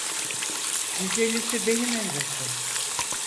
Yüz ellisi benim elbette…